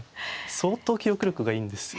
相当記憶力がいいんですよ